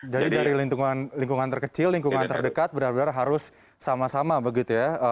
jadi dari lingkungan terkecil lingkungan terdekat benar benar harus sama sama begitu ya